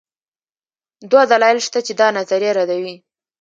دوه دلایل شته چې دا نظریه ردوي